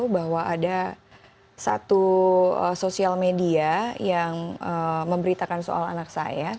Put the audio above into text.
bahwa ada satu sosial media yang memberitakan soal anak saya